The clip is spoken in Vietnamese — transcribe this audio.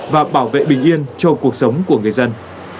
và bảo vệ bình yên cho cuộc sống của người dân